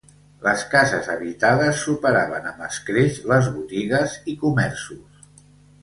Les cases habitades superaven amb escreix les botigues i comerços.